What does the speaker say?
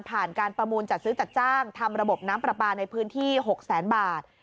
การประมูลจัดซื้อจัดจ้างทำระบบน้ำปลาปลาในพื้นที่๖แสนบาท